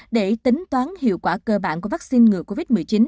để tính toán hiệu quả cơ bản của vaccine ngừa covid một mươi chín